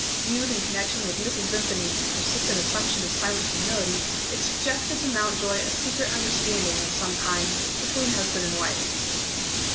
Viewed in connection with Mrs. Vimpany's persistent assumption of silent humility, it suggested to Mountjoy a secret understanding, of some kind, between husband and wife.